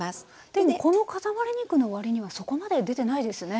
でもこのかたまり肉の割にはそこまで出てないですね。